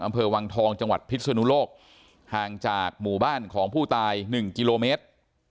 อำเภอวังทองจังหวัดพิศนุโลกห่างจากหมู่บ้านของผู้ตาย๑กิโลเมตร